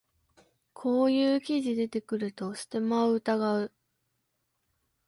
こういう記事出てくるとステマを疑う